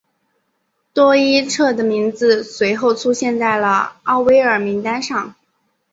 多伊彻的名字随后出现在了奥威尔名单上。